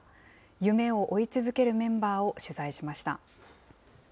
夢を追い続けるメンバーを取材しました。